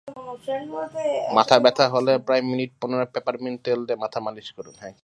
মাথাব্যথা হলে প্রায় মিনিট পনেরো পেপারমিন্ট তেল দিয়ে মাথা মালিশ করুন।